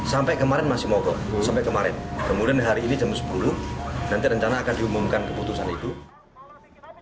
sampai kemarin masih mogok sampai kemarin kemudian hari ini jam sepuluh nanti rencana akan diumumkan keputusan itu